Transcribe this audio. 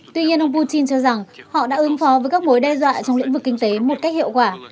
tuy nhiên ông putin cho rằng họ đã ứng phó với các mối đe dọa trong lĩnh vực kinh tế một cách hiệu quả